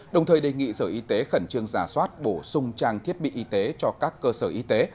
đồng thời đề nghị sở y tế khẩn trương giả soát bổ sung trang thiết bị y tế cho các cơ sở y tế